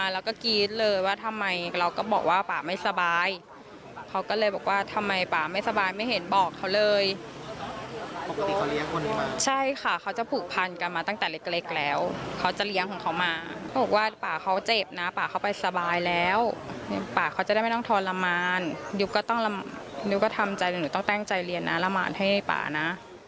เรียนนะละหมานให้ป่านะ